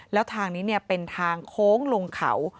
แล้วทางนี้เป็นทางโค้งลงเขา